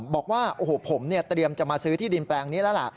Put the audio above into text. บอกว่าโอ้โหผมเตรียมจะมาซื้อที่ดินแปลงนี้แล้วล่ะ